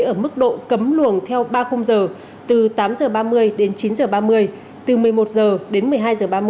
ở mức độ cấm luồng theo ba khung giờ từ tám h ba mươi đến chín h ba mươi từ một mươi một h đến một mươi hai h ba mươi